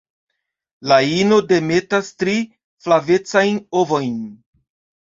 La ino demetas tri flavecajn ovojn.